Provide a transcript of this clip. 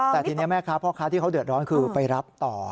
แต่ทีนี้แม่ค้าพ่อค้าที่เขาเดือดร้อนคือไปรับต่อ